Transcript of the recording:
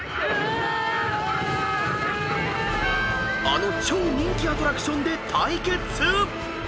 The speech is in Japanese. ［あの超人気アトラクションで対決！］